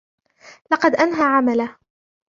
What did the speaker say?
لقد أنهى عمله.